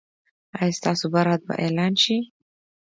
ایا ستاسو برات به اعلان شي؟